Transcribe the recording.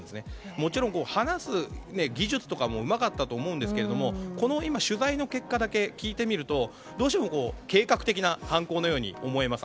もちろん話す技術とかもうまかったと思うんですがこの取材の結果だけ聞いてみるとどうしても計画的な犯行のように思えます。